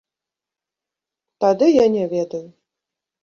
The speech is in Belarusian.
Тады я не ведаю.